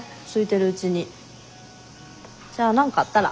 じゃ何かあったら。